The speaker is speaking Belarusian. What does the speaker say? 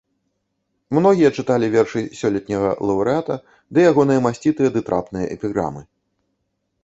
Многія чыталі вершы сёлетняга лаўрэата ды ягоныя масцітыя ды трапныя эпіграмы.